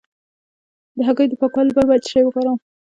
د هګیو د پاکوالي لپاره باید څه شی وکاروم؟